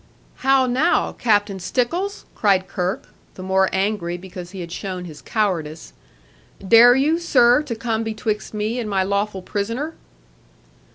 'How now, Captain Stickles?' cried Kirke, the more angry because he had shown his cowardice; 'dare you, sir, to come betwixt me and my lawful prisoner?'